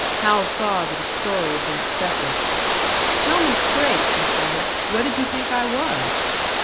Hal saw that his story had been accepted. "Tell me straight," he said, "what did you think I was?"